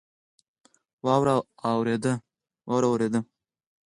واوره اوورېده